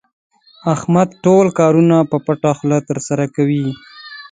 احمد ټول کارونه په پټه خوله ترسره کوي.